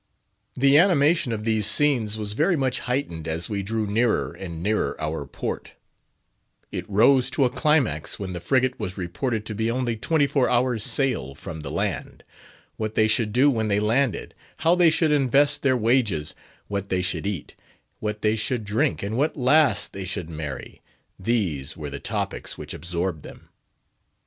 The animation of these scenes was very much heightened as we drew nearer and nearer our port; it rose to a climax when the frigate was reported to be only twenty four hours' sail from the land. What they should do when they landed; how they should invest their wages; what they should eat; what they should drink; and what lass they should marry—these were the topics which absorbed them.